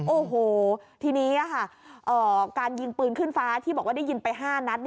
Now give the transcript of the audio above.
โอ้โหทีนี้การยิงปืนขึ้นฟ้าที่บอกว่าได้ยินไป๕นัด